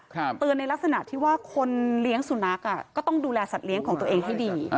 เตือนในลักษณะที่ว่าคนเลี้ยงสุนัขก็ต้องดูแลสัตว์เลี้ยงของตัวเองให้ดี